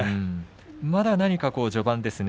まだ序盤ですね